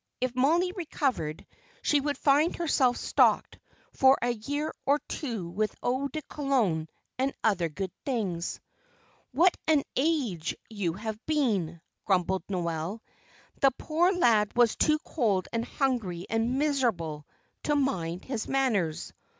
If Mollie recovered she would find herself stocked for a year or two with eau de cologne and other good things. "What an age you have been!" grumbled Noel. The poor lad was too cold and hungry and miserable to mind his manners.